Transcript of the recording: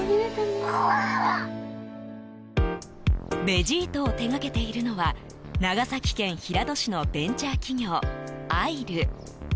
ベジートを手がけているのは長崎県平戸市のベンチャー企業アイル。